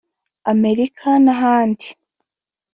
Amerika n’ahandi